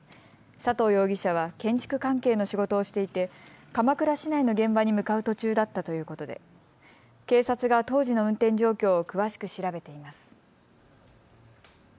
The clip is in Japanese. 佐藤容疑者は建築関係の仕事をしていて鎌倉市内の現場に向かう途中だったということで警察が当時の運転状況を詳しく調べています。